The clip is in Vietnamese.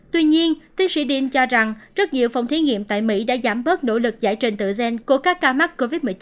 tuy nhiên tiến sĩ diam cho rằng rất nhiều phòng thí nghiệm tại mỹ đã giảm bớt nỗ lực giải trình tự gen của các ca mắc covid một mươi chín